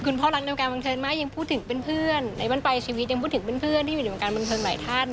คุณพ่อรักดังการบังเทินมากยังพูดถึงเพื่อนในวันไปชีวิตยังพูดถึงเพื่อนที่อยู่ดังการบังเทินใหม่ท่าน